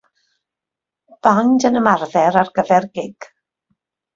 Band yn ymarfer ar gyfer gig.